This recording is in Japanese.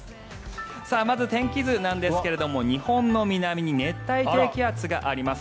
まず天気図なんですが日本の南に熱帯低気圧があります。